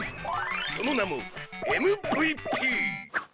その名もＭＶＰ！